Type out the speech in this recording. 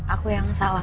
aku yang salah